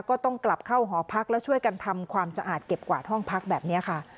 ก็ต้องกลับเข้าหอพักแล้วช่วยกันทำความสะอาดเก็บกวาดห้องพักแบบนี้ค่ะ